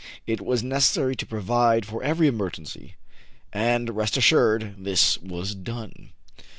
It was necessary to provide for every emergency ; and, rest assured, this was done.